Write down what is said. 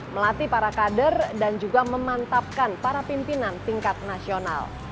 melatih para kader dan juga memantapkan para pimpinan tingkat nasional